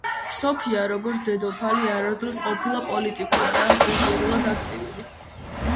სოფია, როგორც დედოფალი არასდროს ყოფილა პოლიტიკურად ან კულტურულად აქტიური.